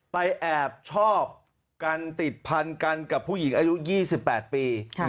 แอบชอบกันติดพันกันกับผู้หญิงอายุ๒๘ปี